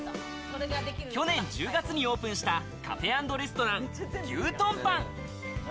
去年１０月にオープンしたカフェ＆レストランＧｙｕＴｏｎＰａｎ。